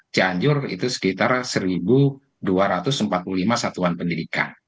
cianjur itu sekitar satu dua ratus empat puluh lima satuan pendidikan